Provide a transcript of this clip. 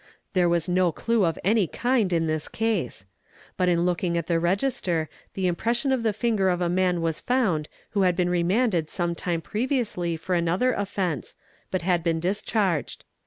There was no clue of any kind in this case, but on looking at the register the impres _ sion of the finger of a man was found who had been remanded some time previously for another offence, but had been discharged.